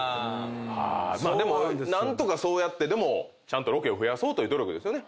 まあでも何とかそうやってでもちゃんとロケを増やそうという努力ですよね。